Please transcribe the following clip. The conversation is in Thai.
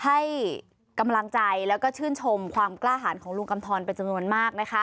ให้กำลังใจแล้วก็ชื่นชมความกล้าหาลุงกำท้อนเป็นจมนต์มาก